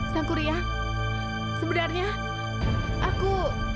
sankuria sebenarnya aku